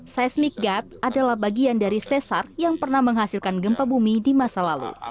seismik gap adalah bagian dari sesar yang pernah menghasilkan gempa bumi di masa lalu